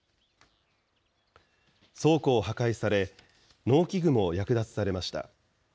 倉庫を破壊され、農機具も略奪されました。